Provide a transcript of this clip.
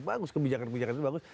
bagus kebijakan kebijakan itu bagus